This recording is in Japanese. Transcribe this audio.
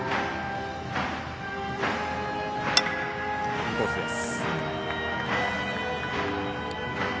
インコースです。